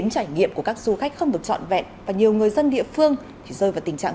trải nghiệm của các du khách không được trọn vẹn và nhiều người dân địa phương thì rơi vào tình trạng